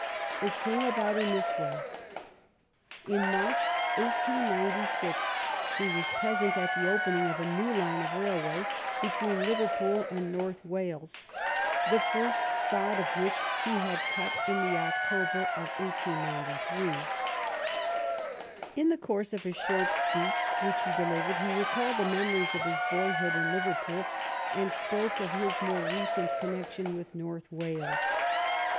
It came about in this way. In March, 1896, he was present at the opening of a new line of railway between Liverpool and North Wales, the first sod of which he had cut in the October of 1893. In the course of a short speech which he delivered he recalled the memories of his boyhood in Liverpool, and spoke of his more recent connec tion with North Wales.